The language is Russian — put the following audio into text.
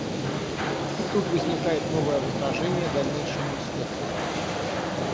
И тут возникает новое возражение дальнейшему исследованию.